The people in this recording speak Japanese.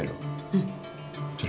うん。